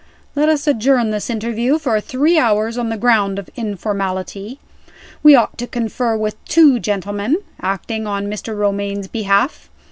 Let us adjourn this interview for three hours on the ground of informality. We ought to confer with two gentlemen, acting on Mr. Romayne's behalf.